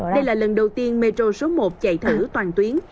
đây là lần đầu tiên metro số một chạy thử toàn tuyến